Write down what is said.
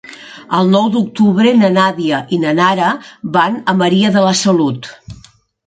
El nou d'octubre na Nàdia i na Nara van a Maria de la Salut.